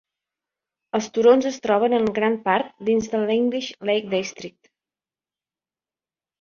Els turons es troben en gran part dins el English Lake District.